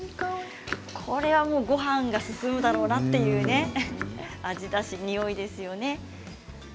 ごはんが進むだろうなという味だし、においですよね。